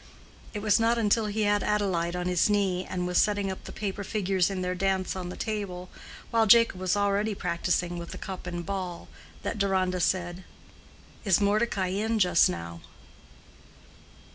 It was not until he had Adelaide on his knee, and was setting up the paper figures in their dance on the table, while Jacob was already practicing with the cup and ball, that Deronda said, "Is Mordecai in just now?"